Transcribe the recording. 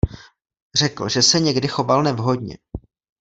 Řekl, že se někdy choval nevhodně.